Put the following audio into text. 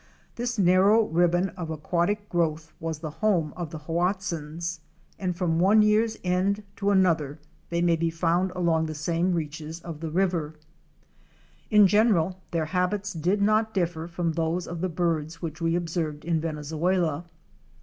This narrow ribbon of aquatic growth was the home of the Hoatzins, and from one year's end to another they may be found along the same THE LIFE OF THE ABARY SAVANNAS. 367 reaches of the river. In general, their habits did not differ from those of the birds which we observed in Venezuela.